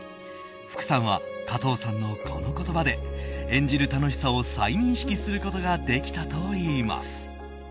福さんは加藤さんのこの言葉で演じる楽しさを再認識することができたといいます。